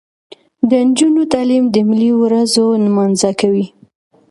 د نجونو تعلیم د ملي ورځو نمانځنه کوي.